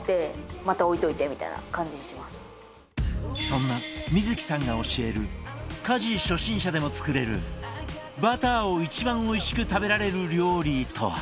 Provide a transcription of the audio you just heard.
そんな瑞季さんが教える家事初心者でも作れるバターを一番おいしく食べられる料理とは？